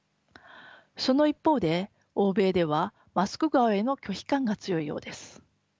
その一方で欧米ではマスク顔への拒否感が強いようです。